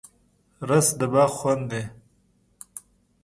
رس د باغ خوند دی